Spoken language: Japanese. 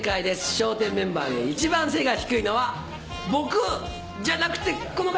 笑点メンバーで一番背が低いのは僕じゃなくてこの方です！